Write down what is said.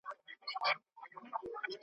د چا عقل چي انسان غوندي پر لار وي `